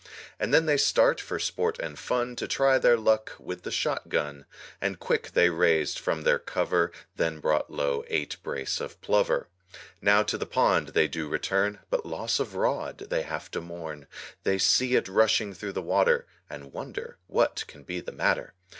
And then they start for sport and fun, To try their luck with the shot gun, And quick they raised from their cover, Then brought low eight brace of plover. Now to the pond they do return, But loss of rod they have to mourn, They see it rushing through the water, And wonder what can be the matter.